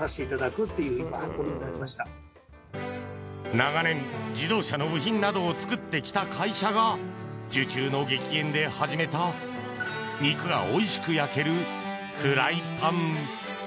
長年、自動車の部品などを作ってきた会社が受注の激減で始めた肉がおいしく焼けるフライパン。